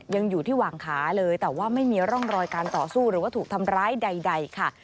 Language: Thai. ยังอยู่ที่หว่างขาเลยแต่ว่าไม่มีร่องรอยการต่อสู้หรือว่าถูกทำร้ายใดค่ะ